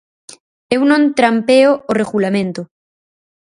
Eu non trampeo o Regulamento.